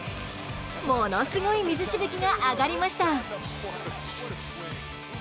ものすごい水しぶきが上がりました。